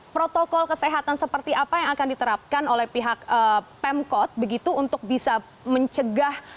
protokol kesehatan seperti apa yang akan diterapkan oleh pihak pemkot begitu untuk bisa mencegah